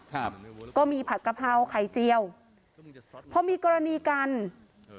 ครับก็มีผัดกระเพราไข่เจียวพอมีกรณีกันเออ